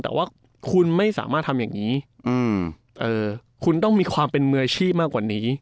แต่ว่าคุณไม่สามารถทำอย่างนี้คุณต้องมีความเป็นมืออาชีพมากกว่านี้